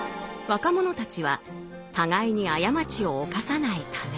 若者たちは互いに過ちを犯さないため。